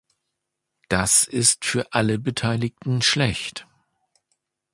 Das ist für alle Beteiligten schlecht!